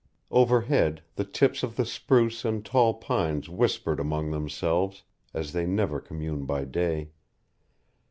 Overhead the tips of the spruce and tall pines whispered among themselves, as they never commune by day.